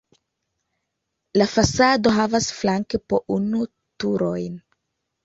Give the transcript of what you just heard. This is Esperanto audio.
La fasado havas flanke po unu turojn.